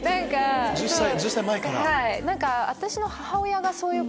１０歳前から⁉はい。